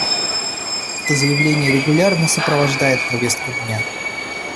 Это заявление регулярно сопровождает повестку дня.